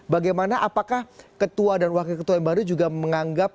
bagaimana apakah ketua dan wakil ketua yang baru juga menganggap